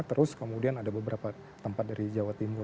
terus kemudian ada beberapa tempat dari jawa timur